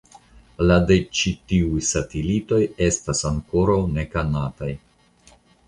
La de ĉi tiuj satelitoj estas ankoraŭ nekonataj.